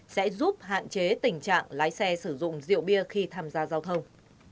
sẽ giúp hạn chế tình trạng lái xe sử dụng rượu bia khi tham gia giao thông